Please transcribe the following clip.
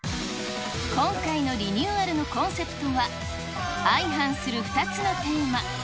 今回のリニューアルのコンセプトは、相反する２つのテーマ。